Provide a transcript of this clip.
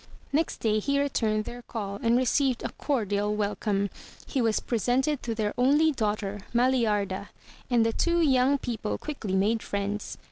Next day he returned their call, and received a cordial wel come. He was presented to their only daughter, Maliarda, and the two yoimg people quickly made friends.